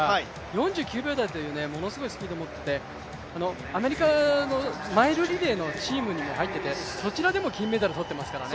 ４９秒台という、ものすごいスピードを持っていてアメリカのマイルリレーのチームにも入っていてそちらでも金メダルをとってますからね。